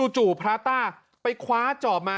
จู่พระต้าคว้าจอบมา